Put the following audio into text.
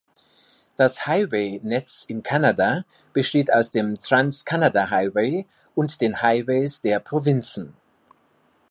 Das Highway-Netz in Kanada besteht aus dem Trans-Canada Highway und den Highways der Provinzen.